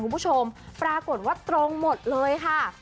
คุณผู้ชมปรากฏว่าตรงหมดเลยค่ะ